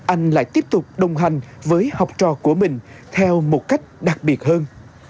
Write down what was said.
anh lại tiếp tục đồng hành với học trò của mình theo một cách đặc biệt hơn